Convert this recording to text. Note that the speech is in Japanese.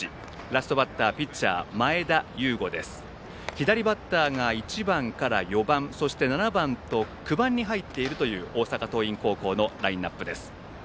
左バッターが１番から４番そして７番、９番に入っている大阪桐蔭高校のラインナップ。